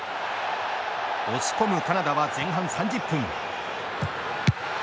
押し込むカナダは前半３０分。